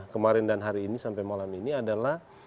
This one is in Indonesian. kemarin dan hari ini sampai malam ini adalah